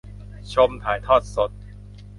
ชมถ่ายทอดสด